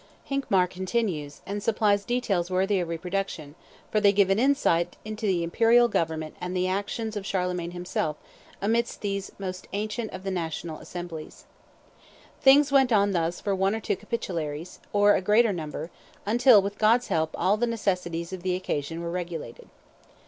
Hinemar continues, and supplies details worthy of reproduction, for they give an insight into the imperial government and the action of Charlemagne himself amidst those most ancient of the national assemblies. "Things went on thus for one or two capitularies, or a greater number, until, with God's help, all the necessities of the occasion were regulated.